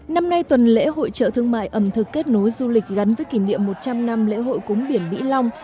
năm nay tuần lễ hội trợ thương mại ẩm thực kết nối du lịch gắn với kỷ niệm một trăm linh năm lễ hội cúng biển mỹ long